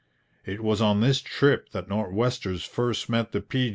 It was on this trip that Nor'westers first met the Piegan Indians.